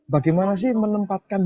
bagaimana sih menempatkan